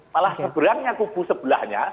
malah seberangnya kubu sebelahnya